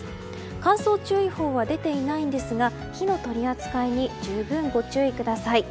乾燥注意報は出ていないんですが火の取り扱いに十分ご注意ください。